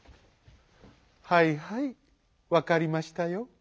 「はいはいわかりましたよ」。